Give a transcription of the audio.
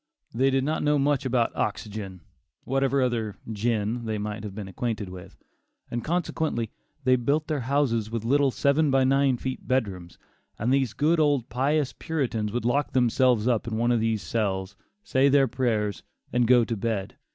They did not know much about oxygen, whatever other "gin" they might have been acquainted with; and consequently, they built their houses with little seven by nine feet bedrooms, and these good old pious Puritans would lock themselves up in one of these cells, say their prayers, and go to bed.